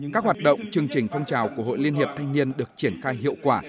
các hoạt động chương trình phong trào của hội liên hiệp thanh niên được triển khai hiệu quả